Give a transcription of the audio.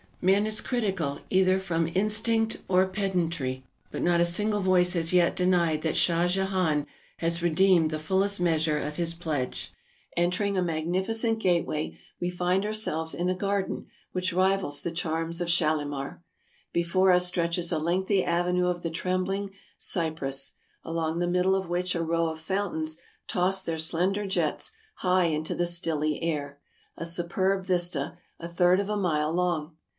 Man is critical either from instinct or pedantry, but not a single voice has yet denied that Shah Jehan has redeemed the fullest measure of his pledge. Entering a magnificent gate way, we find ourselves in a garden which rivals the charms of Shalimar. Before us stretches a lengthy avenue of the trembling cypress, along the middle of which a row of fountains toss their slender jets high into the stilly air — a superb vista, a third of a mile long.